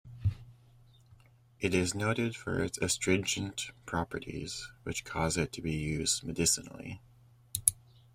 It is noted for its astringent properties, which cause it to be used medicinally.